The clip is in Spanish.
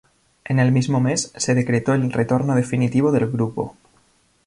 En el mismo mes, se decretó el retorno definitivo del grupo.